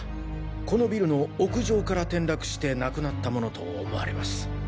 このビルの屋上から転落して亡くなったものと思われます。